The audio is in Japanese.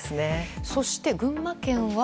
そして群馬県は。